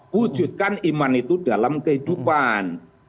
wujudkan iman itu dalam kehidupan